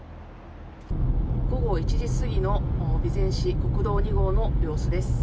午後１時過ぎの備前市国道２号の様子です。